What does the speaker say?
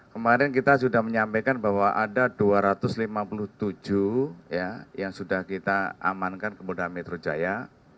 kemarin kita sudah menyampaikan bahwa ada dua ratus lima puluh tujuh yang sudah kita amankan ke polda metro jaya